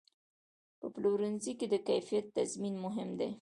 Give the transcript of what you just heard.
په پلورنځي کې د کیفیت تضمین مهم دی.